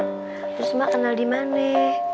terus mak kenal di mana